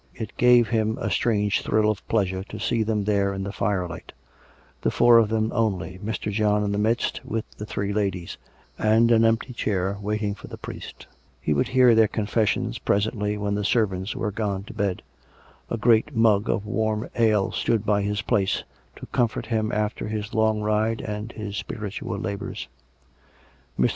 It gave him a strange thrill of pleasure t'^ see them there in the firelight; the four of them only — Mr. John in the midst, with the three ladies ; and an empty chair waiting for the priest. He would hear their confes sions presently when the servants were gone to bed. A great mug of v/arm ale stood by his place, to comfort him after his long ride and his spiritual labours. Mr.